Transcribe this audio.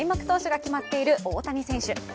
投手が決まっている大谷選手。